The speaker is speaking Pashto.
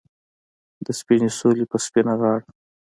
د سپینې سولې په سپینه غاړه